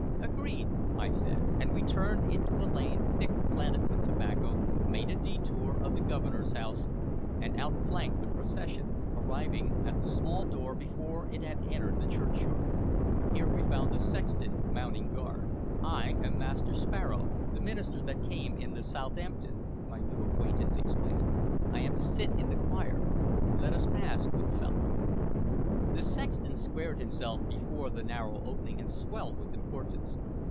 "Agreed," I said, and we turned into a lane thick planted with tobacco, made a detour of the Governor's house, and outflanked the procession, arriving at the small door before it had entered the churchyard. Here we found the sexton mounting guard. "I am Master Sparrow, the minister that came in the Southampton," my new acquaintance explained. "I am to sit in the choir. Let us pass, good fellow." The sexton squared himself before the narrow opening, and swelled with importance.